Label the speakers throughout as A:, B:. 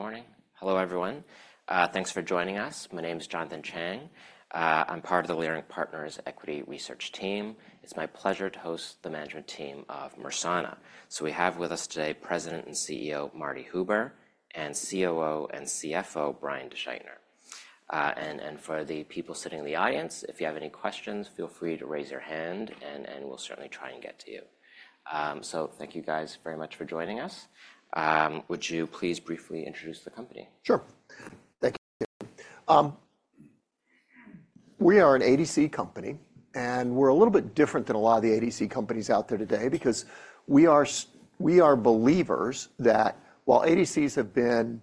A: All right, good morning. Hello everyone. Thanks for joining us. My name's Jonathan Chang. I'm part of the Leerink Partners Equity Research Team. It's my pleasure to host the management team of Mersana. So we have with us today President and CEO Martin Huber, and COO and CFO Brian DeSchuytner. And for the people sitting in the audience, if you have any questions, feel free to raise your hand, and we'll certainly try and get to you. So thank you guys very much for joining us. Would you please briefly introduce the company?
B: Sure. Thank you. We are an ADC company, and we're a little bit different than a lot of the ADC companies out there today because we are believers that while ADCs have been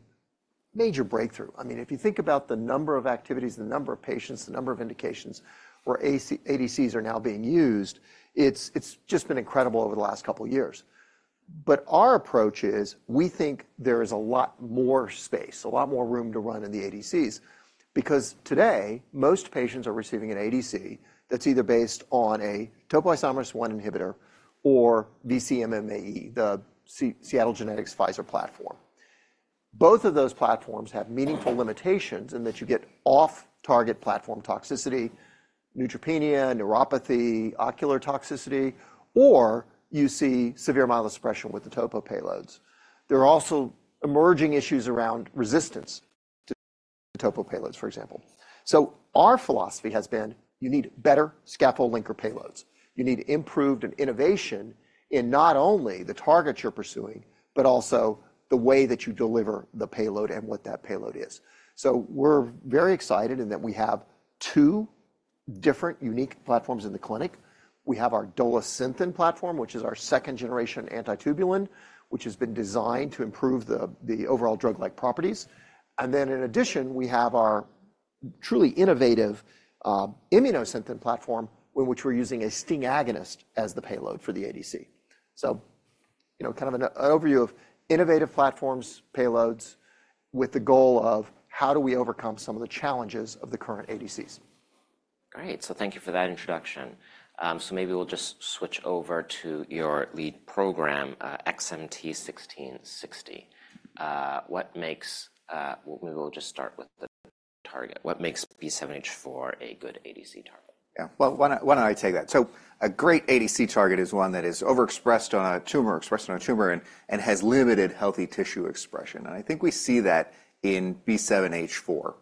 B: major breakthrough. I mean, if you think about the number of activities, the number of patients, the number of indications where ADCs are now being used. It's just been incredible over the last couple of years. But our approach is we think there is a lot more space, a lot more room to run in the ADCs because today most patients are receiving an ADC that's either based on a topoisomerase I inhibitor or vcMMAE, the Seattle Genetics Pfizer platform. Both of those platforms have meaningful limitations in that you get off-target platform toxicity, neutropenia, neuropathy, ocular toxicity, or you see severe myelosuppression with the topo payloads. There are also emerging issues around resistance to the topo payloads, for example. So our philosophy has been you need better scaffold linker payloads. You need improved innovation in not only the targets you're pursuing but also the way that you deliver the payload and what that payload is. So we're very excited in that we have two different unique platforms in the clinic. We have our Dolasynthen platform, which is our second-generation anti-tubulin, which has been designed to improve the overall drug-like properties. And then in addition, we have our truly innovative Immunosynthen platform in which we're using a STING agonist as the payload for the ADC. So, you know, kind of an overview of innovative platforms, payloads, with the goal of how do we overcome some of the challenges of the current ADCs.
A: Great. So thank you for that introduction. So maybe we'll just switch over to your lead program, XMT-1660. What makes, well, maybe we'll just start with the target. What makes B7-H4 a good ADC target?
C: Yeah. Well, why don't I why don't I take that? So a great ADC target is one that is overexpressed on a tumor, expressed on a tumor, and, and has limited healthy tissue expression. And I think we see that in B7-H4.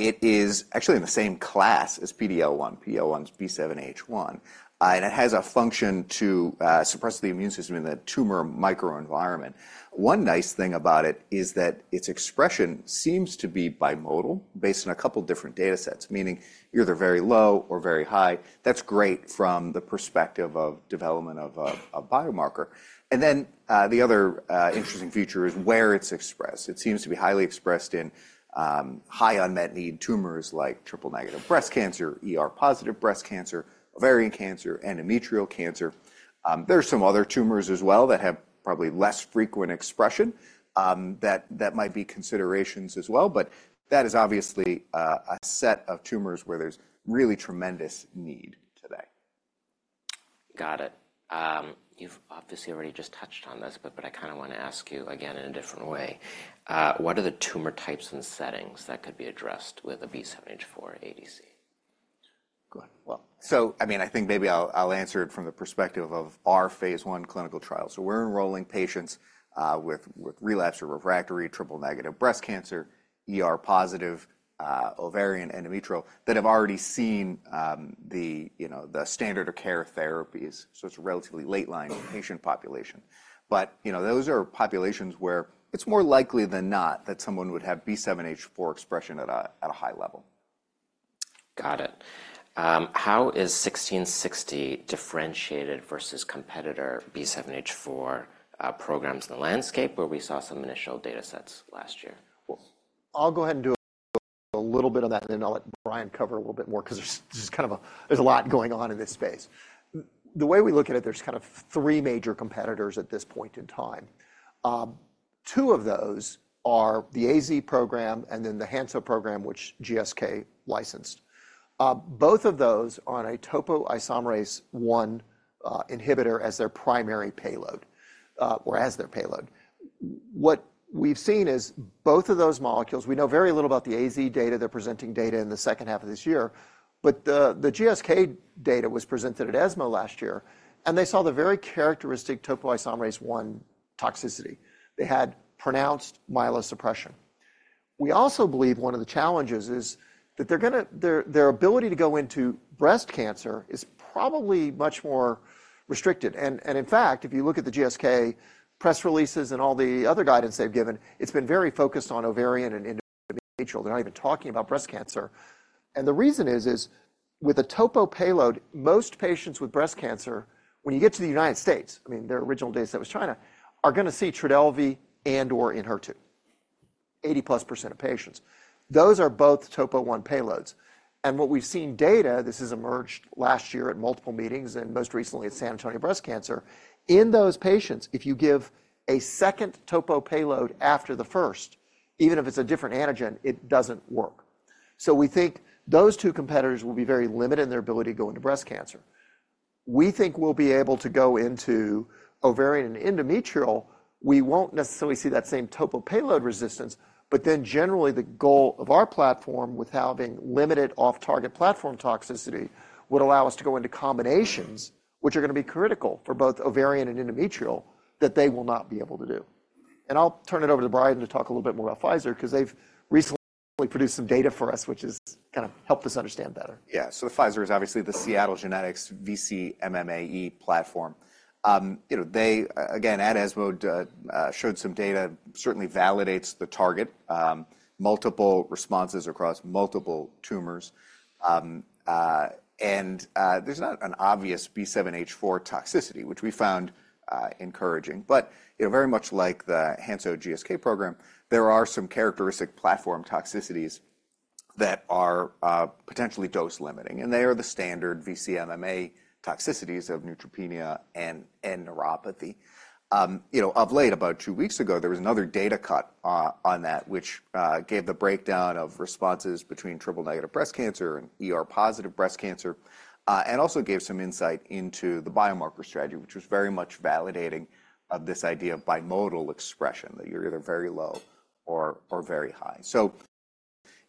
C: It is actually in the same class as PD-L1. PD-L1's B7-H1. And it has a function to, suppress the immune system in the tumor microenvironment. One nice thing about it is that its expression seems to be bimodal based on a couple of different data sets, meaning either very low or very high. That's great from the perspective of development of a, a biomarker. And then, the other, interesting feature is where it's expressed. It seems to be highly expressed in, high unmet need tumors like triple-negative breast cancer, ER-positive breast cancer, ovarian cancer, endometrial cancer. There are some other tumors as well that have probably less frequent expression, that might be considerations as well. But that is obviously a set of tumors where there's really tremendous need today.
A: Got it. You've obviously already just touched on this, but, but I kinda wanna ask you again in a different way. What are the tumor types and settings that could be addressed with a B7-H4 ADC?
C: Go ahead. Well, so, I mean, I think maybe I'll, I'll answer it from the perspective of our phase I clinical trial. So we're enrolling patients, with, with relapse or refractory triple-negative breast cancer, ER-positive, ovarian, endometrial that have already seen, the, you know, the standard of care therapies. So it's a relatively late-line patient population. But, you know, those are populations where it's more likely than not that someone would have B7-H4 expression at a at a high level.
A: Got it. How is XMT-1660 differentiated versus competitor B7-H4 programs in the landscape where we saw some initial data sets last year?
B: Well, I'll go ahead and do a little bit on that, and then I'll let Brian cover a little bit more 'cause there's kind of a lot going on in this space. The way we look at it, there's kind of three major competitors at this point in time. Two of those are the AZ program and then the Hansoh program, which GSK licensed. Both of those are on a topoisomerase I inhibitor as their primary payload, or as their payload. What we've seen is both of those molecules we know very little about the AZ data. They're presenting data in the second half of this year. But the GSK data was presented at ESMO last year, and they saw the very characteristic topoisomerase I toxicity. They had pronounced myelosuppression. We also believe one of the challenges is that they're gonna, their ability to go into breast cancer is probably much more restricted. In fact, if you look at the GSK press releases and all the other guidance they've given, it's been very focused on ovarian and endometrial. They're not even talking about breast cancer. And the reason is with a topo payload, most patients with breast cancer, when you get to the United States—I mean, their original data set was China—are gonna see TRODELVY and/or ENHERTU, 80+% of patients. Those are both topo-I payloads. And what we've seen data—this has emerged last year at multiple meetings and most recently at San Antonio Breast Cancer—in those patients, if you give a second topo payload after the first, even if it's a different antigen, it doesn't work. So we think those two competitors will be very limited in their ability to go into breast cancer. We think we'll be able to go into ovarian and endometrial. We won't necessarily see that same topo payload resistance. But then generally, the goal of our platform with having limited off-target platform toxicity would allow us to go into combinations, which are gonna be critical for both ovarian and endometrial, that they will not be able to do. And I'll turn it over to Brian to talk a little bit more about Pfizer 'cause they've recently produced some data for us, which has kinda helped us understand better.
C: Yeah. So the Pfizer is obviously the Seattle Genetics vcMMAE platform. You know, they, again, at ESMO, showed some data. Certainly validates the target, multiple responses across multiple tumors. And, there's not an obvious B7-H4 toxicity, which we found encouraging. But, you know, very much like the Hansoh GSK program, there are some characteristic platform toxicities that are potentially dose-limiting. And they are the standard vcMMAE toxicities of neutropenia and neuropathy. You know, of late, about two weeks ago, there was another data cut on that, which gave the breakdown of responses between triple-negative breast cancer and ER-positive breast cancer, and also gave some insight into the biomarker strategy, which was very much validating of this idea of bimodal expression, that you're either very low or very high. So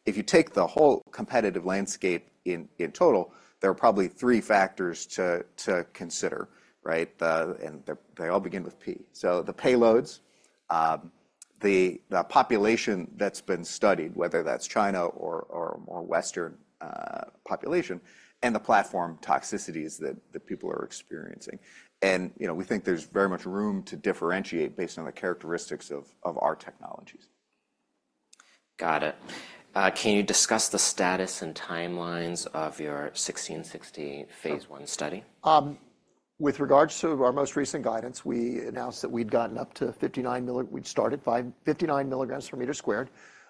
C: if you take the whole competitive landscape in total, there are probably three factors to consider, right? They all begin with P. So the payloads, the population that's been studied, whether that's China or Western population, and the platform toxicities that people are experiencing. And, you know, we think there's very much room to differentiate based on the characteristics of our technologies.
A: Got it. Can you discuss the status and timelines of your XMT-1660 phase I study?
B: With regards to our most recent guidance, we announced that we'd gotten up to 59 mg/m². We'd started 59 mg/m².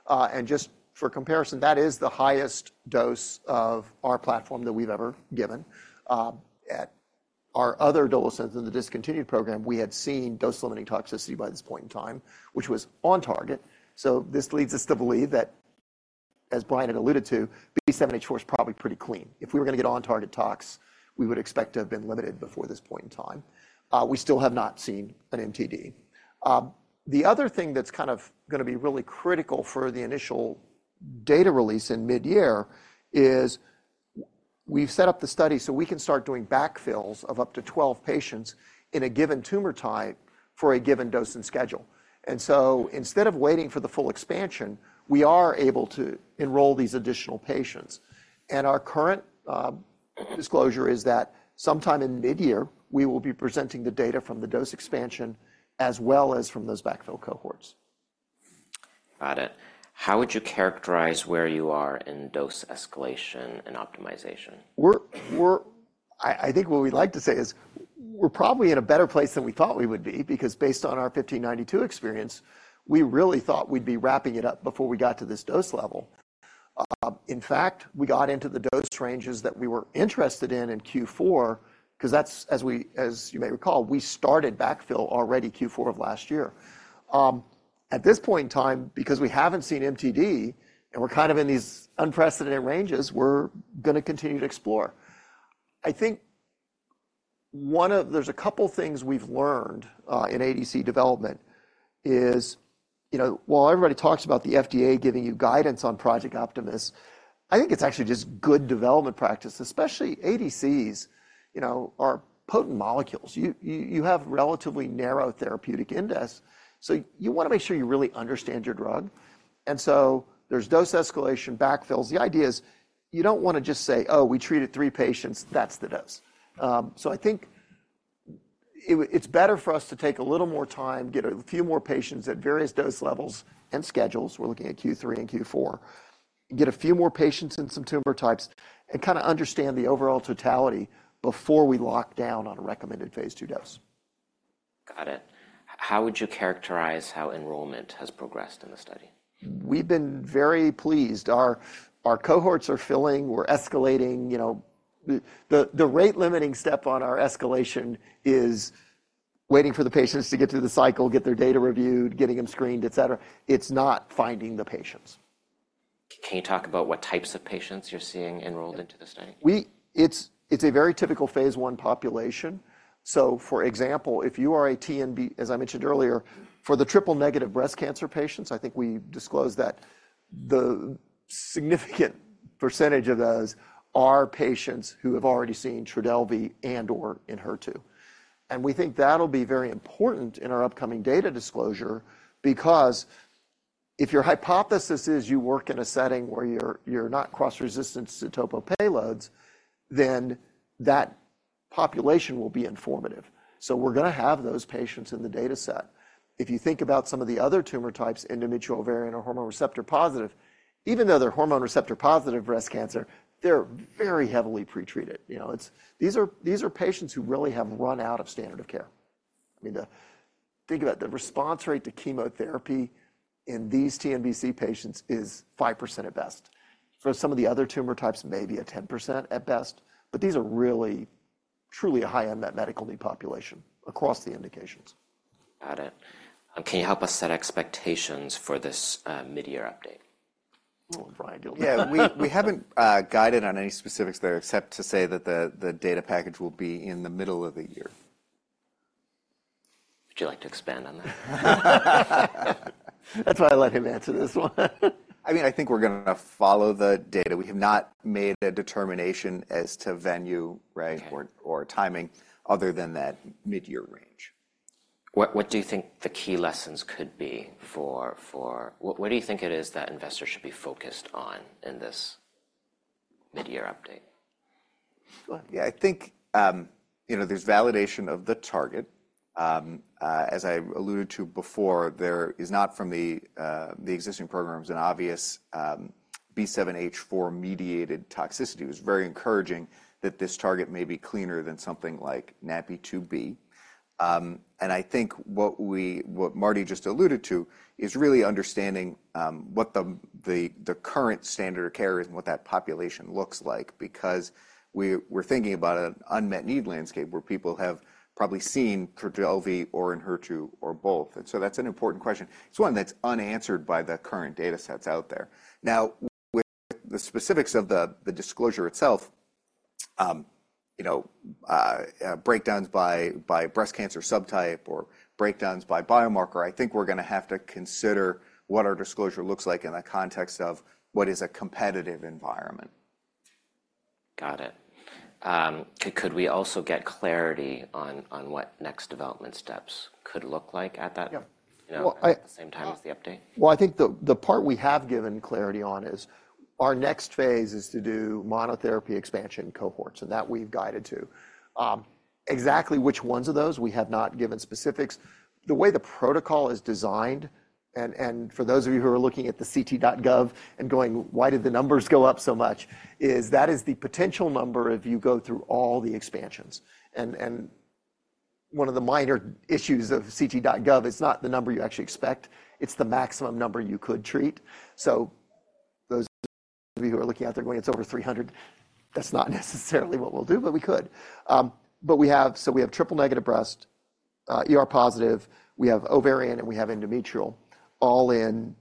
B: And just for comparison, that is the highest dose of our platform that we've ever given. At our other Dolasynthen in the discontinued program, we had seen dose-limiting toxicity by this point in time, which was on target. So this leads us to believe that, as Brian had alluded to, B7-H4's probably pretty clean. If we were gonna get on-target tox, we would expect to have been limited before this point in time. We still have not seen an MTD. The other thing that's kind of gonna be really critical for the initial data release in mid-year is we've set up the study so we can start doing backfills of up to 12 patients in a given tumor type for a given dose and schedule. And so instead of waiting for the full expansion, we are able to enroll these additional patients. And our current disclosure is that sometime in mid-year, we will be presenting the data from the dose expansion as well as from those backfill cohorts.
A: Got it. How would you characterize where you are in dose escalation and optimization?
B: I think what we'd like to say is we're probably in a better place than we thought we would be because based on our XMT-1592 experience, we really thought we'd be wrapping it up before we got to this dose level. In fact, we got into the dose ranges that we were interested in in Q4 'cause that's, as you may recall, we started backfill already Q4 of last year. At this point in time, because we haven't seen MTD and we're kind of in these unprecedented ranges, we're gonna continue to explore. I think there's a couple of things we've learned in ADC development is, you know, while everybody talks about the FDA giving you guidance on Project Optimus, I think it's actually just good development practice, especially ADCs, you know, are potent molecules. You have relatively narrow therapeutic index. So you wanna make sure you really understand your drug. And so there's dose escalation, backfills. The idea is you don't wanna just say, "Oh, we treated three patients. That's the dose." So I think it's better for us to take a little more time, get a few more patients at various dose levels and schedules, we're looking at Q3 and Q4, get a few more patients in some tumor types and kinda understand the overall totality before we lock down on a recommended phase II dose.
A: Got it. How would you characterize how enrollment has progressed in the study?
B: We've been very pleased. Our cohorts are filling. We're escalating. You know, the rate-limiting step on our escalation is waiting for the patients to get through the cycle, get their data reviewed, getting them screened, etc. It's not finding the patients.
A: Can you talk about what types of patients you're seeing enrolled into the study?
B: It's a very typical phase I population. So for example, if you are a TNBC, as I mentioned earlier, for the triple-negative breast cancer patients, I think we disclosed that the significant percentage of those are patients who have already seen TRODELVY and/or ENHERTU. And we think that'll be very important in our upcoming data disclosure because if your hypothesis is you work in a setting where you're not cross-resistance to topo payloads, then that population will be informative. So we're gonna have those patients in the data set. If you think about some of the other tumor types, endometrial, ovarian, or hormone-receptor-positive, even though they're hormone-receptor-positive breast cancer, they're very heavily pretreated. You know, these are patients who really have run out of standard of care. I mean, the thing about the response rate to chemotherapy in these TNBC patients is 5% at best. For some of the other tumor types, maybe a 10% at best. But these are really, truly a high unmet medical need population across the indications.
A: Got it. Can you help us set expectations for this, mid-year update?
B: Well, Brian, do you wanna?
C: Yeah. We haven't guided on any specifics there except to say that the data package will be in the middle of the year.
A: Would you like to expand on that?
B: That's why I let him answer this one.
C: I mean, I think we're gonna follow the data. We have not made a determination as to venue, right, or timing other than that mid-year range.
A: What do you think the key lessons could be for what do you think it is that investors should be focused on in this mid-year update?
C: Go ahead. Yeah. I think, you know, there's validation of the target. As I alluded to before, there is not from the existing programs an obvious B7-H4-mediated toxicity. It was very encouraging that this target may be cleaner than something like NaPi2b. And I think what Marty just alluded to is really understanding what the current standard of care is and what that population looks like because we're thinking about an unmet need landscape where people have probably seen TRODELVY or ENHERTU or both. And so that's an important question. It's one that's unanswered by the current data sets out there. Now, with the specifics of the disclosure itself, you know, breakdowns by breast cancer subtype or breakdowns by biomarker, I think we're gonna have to consider what our disclosure looks like in the context of what is a competitive environment.
A: Got it. Could we also get clarity on what next development steps could look like at that, you know, at the same time as the update?
B: Yeah. Well, I think the part we have given clarity on is our next phase is to do monotherapy expansion cohorts, and that we've guided to. Exactly which ones of those, we have not given specifics. The way the protocol is designed and for those of you who are looking at the ct.gov and going, "Why did the numbers go up so much?" is that is the potential number if you go through all the expansions. And one of the minor issues of ct.gov, it's not the number you actually expect. It's the maximum number you could treat. So those of you who are looking out there going, "It's over 300," that's not necessarily what we'll do, but we could. But we have triple-negative breast, ER-positive. We have ovarian, and we have endometrial, all in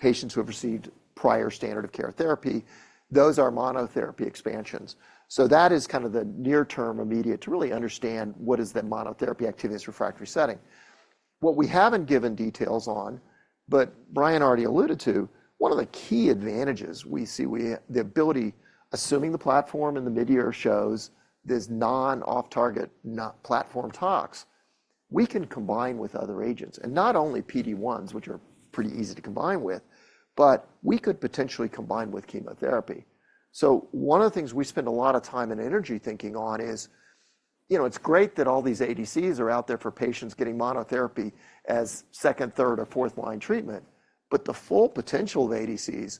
B: patients who have received prior standard of care therapy. Those are monotherapy expansions. So that is kinda the near-term immediate to really understand what is the monotherapy activity in this refractory setting. What we haven't given details on, but Brian already alluded to, one of the key advantages we see with the ability assuming the platform in the mid-year shows this non-off-target, not platform tox, we can combine with other agents. And not only PD-1s, which are pretty easy to combine with, but we could potentially combine with chemotherapy. So one of the things we spend a lot of time and energy thinking on is, you know, it's great that all these ADCs are out there for patients getting monotherapy as second, third, or fourth-line treatment. But the full potential of ADCs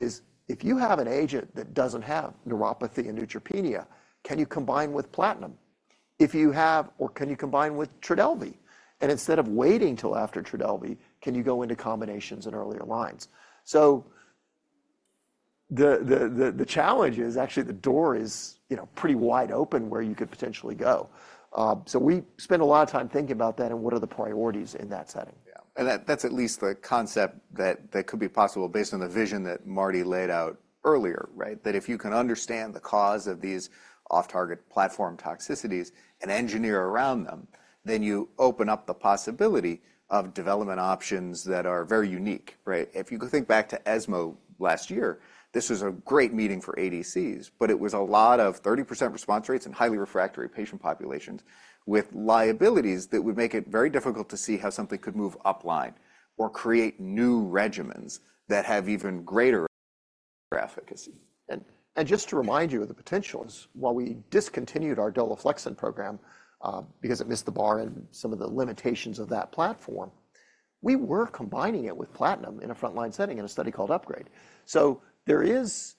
B: is if you have an agent that doesn't have neuropathy and neutropenia, can you combine with platinum? If you have or can you combine with TRODELVY? Instead of waiting till after TRODELVY, can you go into combinations in earlier lines? So the challenge is actually the door is, you know, pretty wide open where you could potentially go. So we spend a lot of time thinking about that and what are the priorities in that setting.
C: Yeah. And that's at least the concept that could be possible based on the vision that Marty laid out earlier, right, that if you can understand the cause of these off-target platform toxicities and engineer around them, then you open up the possibility of development options that are very unique, right? If you could think back to ESMO last year, this was a great meeting for ADCs, but it was a lot of 30% response rates and highly refractory patient populations with liabilities that would make it very difficult to see how something could move upline or create new regimens that have even greater efficacy.
B: Just to remind you of the potential is while we discontinued our Dolaflexin program, because it missed the bar and some of the limitations of that platform, we were combining it with platinum in a frontline setting in a study called UPGRADE. So there is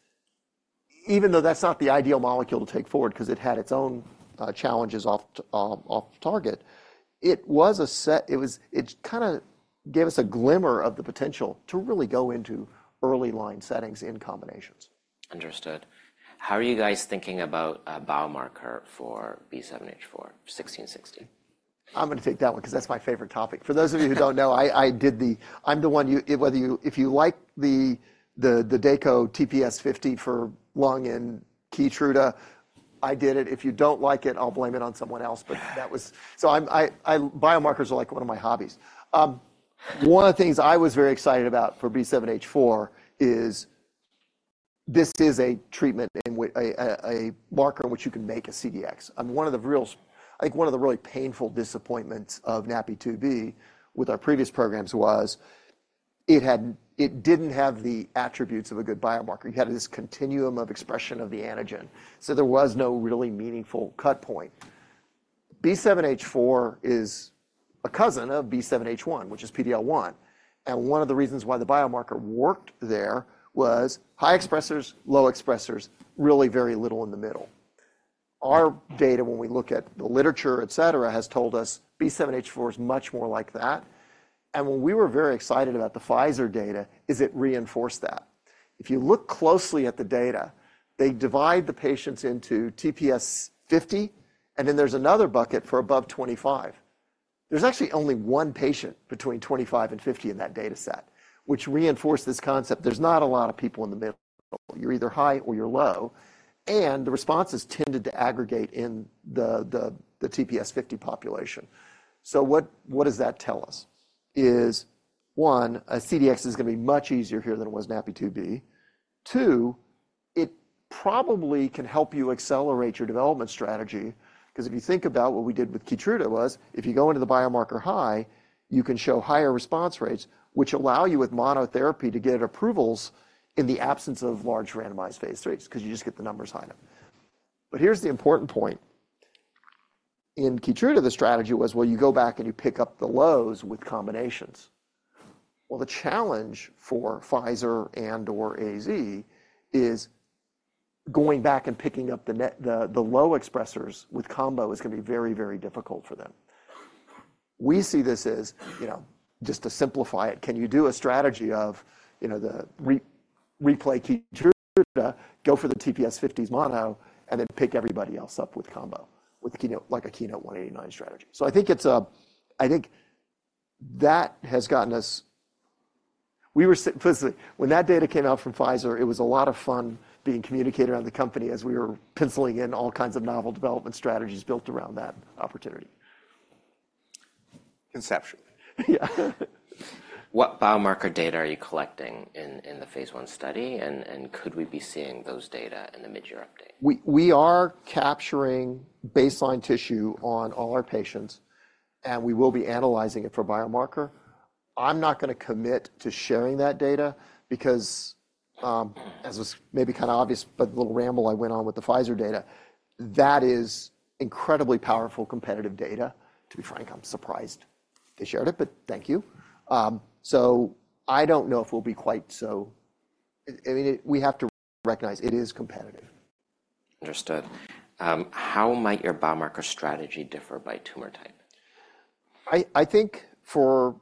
B: even though that's not the ideal molecule to take forward 'cause it had its own challenges off-target, it was an asset, it kinda gave us a glimmer of the potential to really go into early-line settings in combinations.
A: Understood. How are you guys thinking about a biomarker for B7-H4, XMT-1660?
B: I'm gonna take that one 'cause that's my favorite topic. For those of you who don't know, I did it. I'm the one whether you like the Dako TPS50 for lung and KEYTRUDA, I did it. If you don't like it, I'll blame it on someone else. But that was, so I biomarkers are like one of my hobbies. One of the things I was very excited about for B7-H4 is this is a treatment in which a marker in which you can make a CDX. And one of the real I think one of the really painful disappointments of NaPi2b with our previous programs was it didn't have the attributes of a good biomarker. You had this continuum of expression of the antigen. So there was no really meaningful cut point. B7-H4 is a cousin of B7-H1, which is PD-L1. One of the reasons why the biomarker worked there was high expressors, low expressors, really very little in the middle. Our data, when we look at the literature, etc., has told us B7-H4's much more like that. When we were very excited about the Pfizer data, it reinforced that. If you look closely at the data, they divide the patients into TPS50, and then there's another bucket for above 25. There's actually only one patient between 25 and 50 in that data set, which reinforced this concept. There's not a lot of people in the middle. You're either high or you're low. The responses tended to aggregate in the TPS50 population. So what does that tell us? One, a CDX is gonna be much easier here than it was NaPi2b. Two, it probably can help you accelerate your development strategy 'cause if you think about what we did with KEYTRUDA was if you go into the biomarker high, you can show higher response rates, which allow you with monotherapy to get approvals in the absence of large randomized phase IIIs 'cause you just get the numbers high enough. But here's the important point. In KEYTRUDA, the strategy was, well, you go back and you pick up the lows with combinations. Well, the challenge for Pfizer and/or AZ is going back and picking up the low expressors with combo is gonna be very, very difficult for them. We see this as, you know, just to simplify it, can you do a strategy of, you know, the replay KEYTRUDA, go for the TPS50s mono, and then pick everybody else up with combo, with KEYNOTE like a KEYNOTE-189 strategy? So, I think that has gotten us. We were sitting physically when that data came out from Pfizer. It was a lot of fun being communicated around the company as we were penciling in all kinds of novel development strategies built around that opportunity.
C: Conceptually.
B: Yeah.
A: What biomarker data are you collecting in the phase I study? And could we be seeing those data in the mid-year update?
B: We are capturing baseline tissue on all our patients, and we will be analyzing it for biomarker. I'm not gonna commit to sharing that data because, as was maybe kinda obvious, but a little ramble I went on with the Pfizer data, that is incredibly powerful competitive data. To be frank, I'm surprised they shared it, but thank you. So I don't know if we'll be quite so. I mean, it we have to recognize it is competitive.
A: Understood. How might your biomarker strategy differ by tumor type?
B: I think for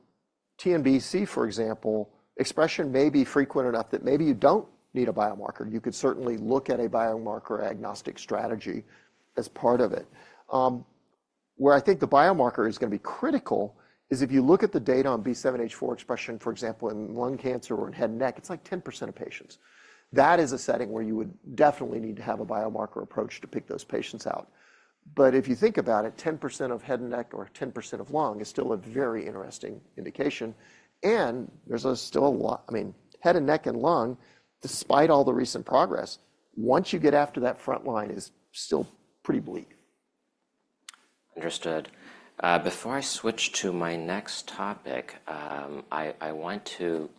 B: TNBC, for example, expression may be frequent enough that maybe you don't need a biomarker. You could certainly look at a biomarker agnostic strategy as part of it. Where I think the biomarker is gonna be critical is if you look at the data on B7-H4 expression, for example, in lung cancer or in head and neck, it's like 10% of patients. That is a setting where you would definitely need to have a biomarker approach to pick those patients out. But if you think about it, 10% of head and neck or 10% of lung is still a very interesting indication. There's still a lot I mean, head and neck and lung, despite all the recent progress, once you get after that frontline is still pretty bleak.
A: Understood. Before I switch to my next topic, I want to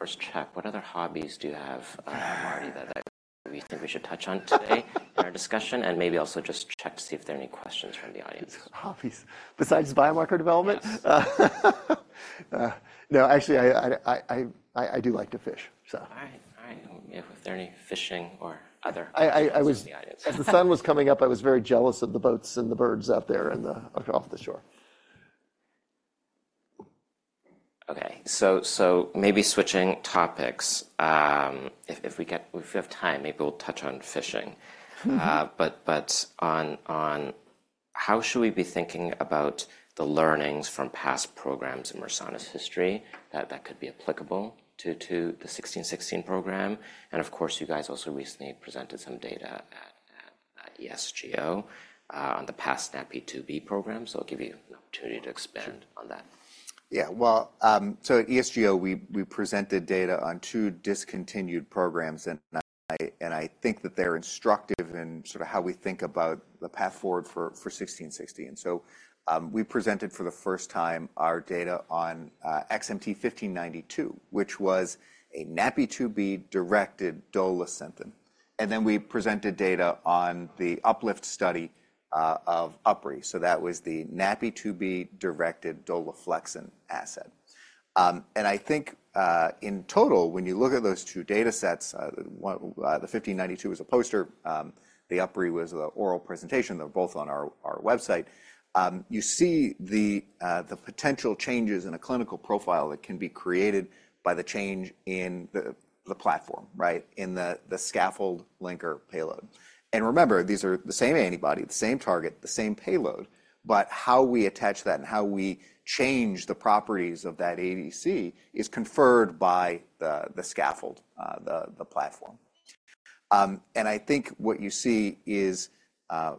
A: first check, what other hobbies do you have, Marty, that you think we should touch on today in our discussion? And maybe also just check to see if there are any questions from the audience.
B: Hobbies besides biomarker development? No. Actually, I do like to fish, so.
A: All right. All right. If there are any questions or other interests in the audience.
B: I was, as the sun was coming up, very jealous of the boats and the birds out there and the off the shore.
A: Okay. So maybe switching topics. If we have time, maybe we'll touch on fishing. But how should we be thinking about the learnings from past programs in Mersana's history that could be applicable to the XMT-1660 program? And of course, you guys also recently presented some data at ESGO on the past NaPi2b program. So I'll give you an opportunity to expand on that.
C: Sure. Yeah. Well, so at ESGO, we presented data on two discontinued programs. And I think that they're instructive in sort of how we think about the path forward for XMT-1660. And so, we presented for the first time our data on XMT-1592, which was a NaPi2b-directed Dolasynthen. And then we presented data on the UPLIFT study of UpRi. So that was the NaPi2b-directed Dolaflexin asset. And I think, in total, when you look at those two data sets, the one, the XMT-1592 was a poster. The UpRi was the oral presentation. They're both on our website. You see the potential changes in a clinical profile that can be created by the change in the platform, right, in the scaffold linker payload. And remember, these are the same antibody, the same target, the same payload. But how we attach that and how we change the properties of that ADC is conferred by the scaffold, the platform. And I think what you see is,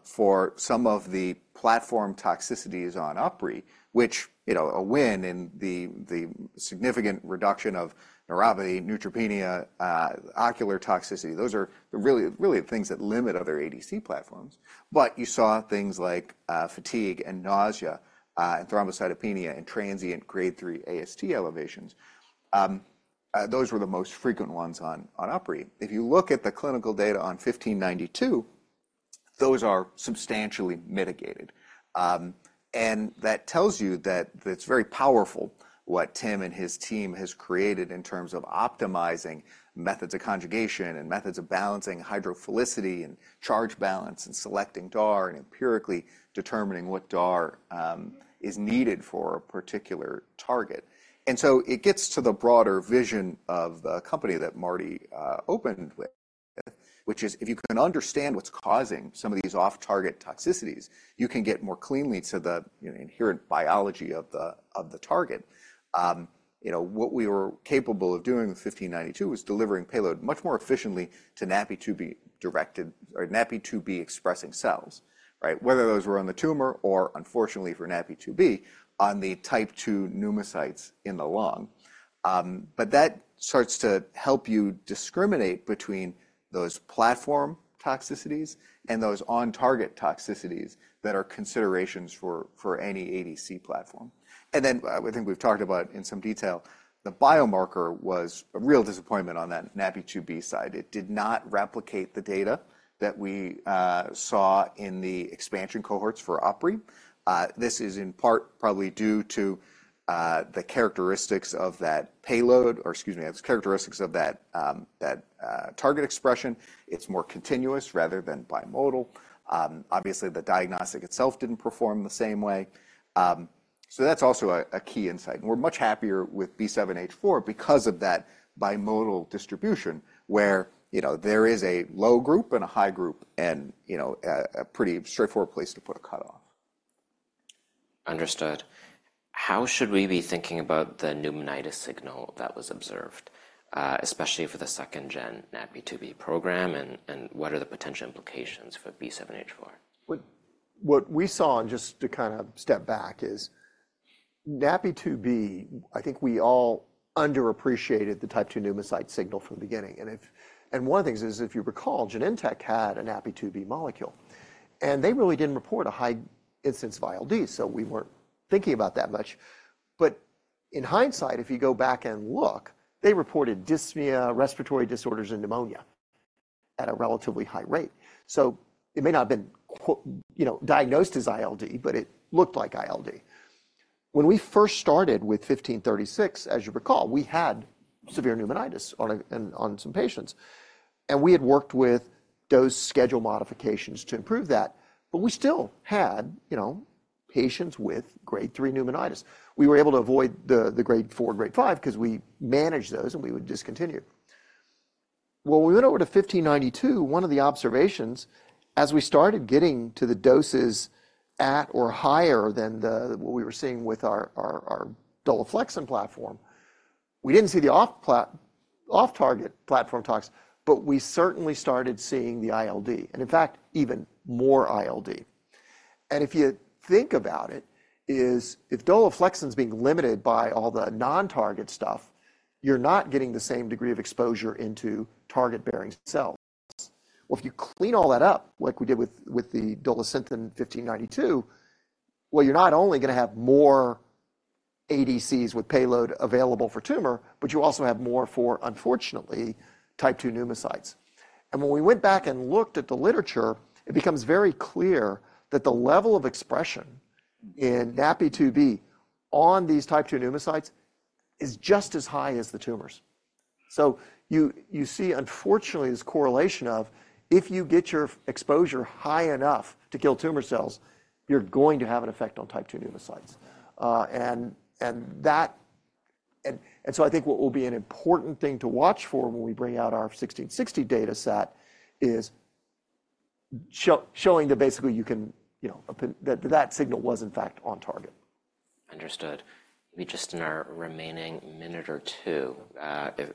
C: for some of the platform toxicities on UpRi, which, you know, a win in the significant reduction of neuropathy, neutropenia, ocular toxicity, those are the really, really the things that limit other ADC platforms. But you saw things like fatigue and nausea, and thrombocytopenia and transient grade III AST elevations. Those were the most frequent ones on UpRi. If you look at the clinical data on XMT-1592, those are substantially mitigated. And that tells you that it's very powerful what Tim and his team has created in terms of optimizing methods of conjugation and methods of balancing hydrophilicity and charge balance and selecting DAR and empirically determining what DAR is needed for a particular target. And so it gets to the broader vision of the company that Marty opened with, which is if you can understand what's causing some of these off-target toxicities, you can get more cleanly to the, you know, inherent biology of the of the target. You know, what we were capable of doing with XMT-1592 was delivering payload much more efficiently to NaPi2b-directed or NaPi2b-expressing cells, right, whether those were on the tumor or, unfortunately for NaPi2b, on the type II pneumocytes in the lung. But that starts to help you discriminate between those platform toxicities and those on-target toxicities that are considerations for, for any ADC platform. And then, I think we've talked about in some detail, the biomarker was a real disappointment on that NaPi2b side. It did not replicate the data that we, saw in the expansion cohorts for UpRi. This is in part probably due to the characteristics of that payload or excuse me, the characteristics of that target expression. It's more continuous rather than bimodal. Obviously, the diagnostic itself didn't perform the same way. So that's also a key insight. And we're much happier with B7-H4 because of that bimodal distribution where, you know, there is a low group and a high group and, you know, a pretty straightforward place to put a cutoff.
A: Understood. How should we be thinking about the pneumonitis signal that was observed, especially for the second-gen NaPi2b program? And, what are the potential implications for B7-H4?
B: What we saw, and just to kinda step back, is NaPi2b. I think we all underappreciated the type II pneumocyte signal from the beginning. And one of the things is, if you recall, Genentech had a NaPi2b molecule. And they really didn't report a high incidence of ILD. So we weren't thinking about that much. But in hindsight, if you go back and look, they reported dyspnea, respiratory disorders, and pneumonia at a relatively high rate. So it may not have been, you know, diagnosed as ILD, but it looked like ILD. When we first started with 1536, as you recall, we had severe pneumonitis on, and on some patients. And we had worked with dose schedule modifications to improve that. But we still had, you know, patients with grade III pneumonitis. We were able to avoid the grade IV, grade V 'cause we managed those, and we would discontinue. Well, when we went over to XMT-1592, one of the observations, as we started getting to the doses at or higher than what we were seeing with our Dolaflexin platform, we didn't see the off-target toxics. But we certainly started seeing the ILD and, in fact, even more ILD. And if you think about it is if Dolaflexin's being limited by all the non-target stuff, you're not getting the same degree of exposure into target-bearing cells. Well, if you clean all that up like we did with the Dolasynthen XMT-1592, well, you're not only gonna have more ADCs with payload available for tumor, but you also have more for, unfortunately, Type II pneumocytes. When we went back and looked at the literature, it becomes very clear that the level of expression in NaPi2b on these type II pneumocytes is just as high as the tumors. So you see, unfortunately, this correlation of if you get your exposure high enough to kill tumor cells, you're going to have an effect on type II pneumocytes. And so I think what will be an important thing to watch for when we bring out our 1660 data set is showing that basically you can, you know, separate that that signal was, in fact, on target.
A: Understood. Maybe just in our remaining minute or two, if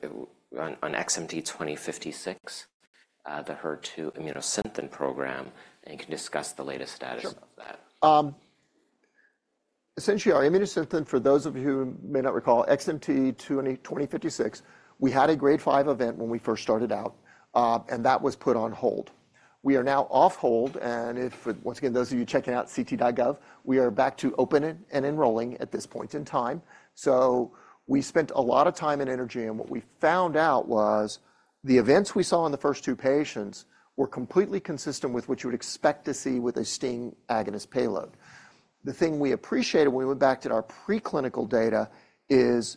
A: on XMT-2056, the HER2 Immunosynthen program, and you can discuss the latest status of that.
B: Sure. Essentially, our Immunosynthen, for those of you who may not recall, XMT-2056, we had a grade V event when we first started out, and that was put on hold. We are now off hold. And if for once again, those of you checking out ct.gov, we are back to opening and enrolling at this point in time. So we spent a lot of time and energy. And what we found out was the events we saw in the first two patients were completely consistent with what you would expect to see with a STING agonist payload. The thing we appreciated when we went back to our preclinical data is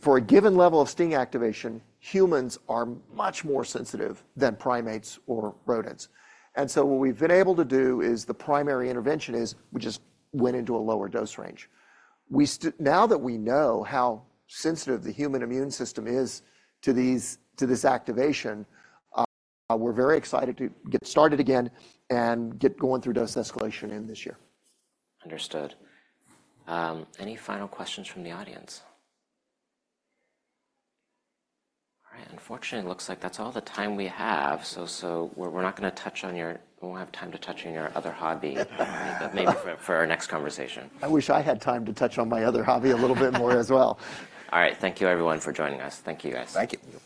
B: for a given level of STING activation, humans are much more sensitive than primates or rodents. And so what we've been able to do is the primary intervention is we just went into a lower dose range. We start now that we know how sensitive the human immune system is to this activation, we're very excited to get started again and get going through dose escalation in this year.
A: Understood. Any final questions from the audience? All right. Unfortunately, it looks like that's all the time we have. So, we're not gonna touch on your, we won't have time to touch on your other hobby, but maybe for our next conversation.
B: I wish I had time to touch on my other hobby a little bit more as well.
A: All right. Thank you, everyone, for joining us. Thank you, guys.
C: Thank you.